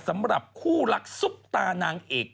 สำหรับคู่รักซุปตานางเอก